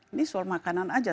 ini soal makanan aja